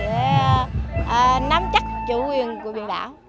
để nắm chắc chủ quyền của biển đảo